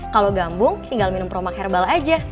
kalau gambung tinggal minum promak herbal aja